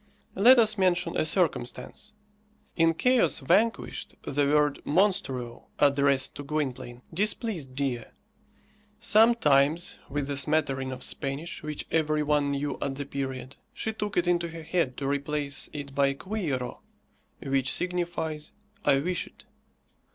Let us mention a circumstance. In "Chaos Vanquished," the word monstruo, addressed to Gwynplaine, displeased Dea. Sometimes, with the smattering of Spanish which every one knew at the period, she took it into her head to replace it by quiero, which signifies, "I wish it."